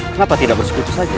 kenapa tidak bersekutu saja